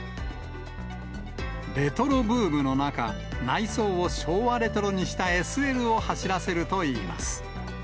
レトロブームの中、内装を昭和レトロにしたＳＬを走らせるといいます。